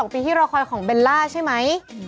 ปีที่รอคอยของเบลล่าใช่ไหม